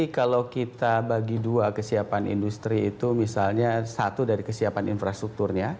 kalau kita bagi dua kesiapan industri itu misalnya satu dari kesiapan infrastrukturnya